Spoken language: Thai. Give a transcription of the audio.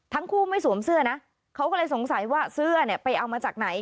ทั้งคู่ไม่สวมเสื้อนะเขาก็เลยสงสัยว่าเสื้อเนี่ยไปเอามาจากไหน